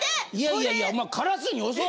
いやいやお前。